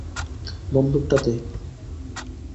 বন্দুক টা দে।